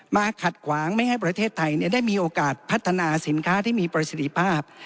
ขัดขวางไม่ให้ประเทศไทยได้มีโอกาสพัฒนาสินค้าที่มีประสิทธิภาพ